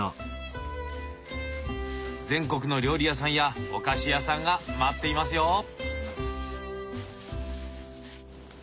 全国の料理屋さんやお菓子屋さんが待っていますよ！